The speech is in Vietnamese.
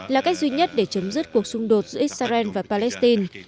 là cách duy nhất để chấm dứt cuộc xung đột giữa israel và palestine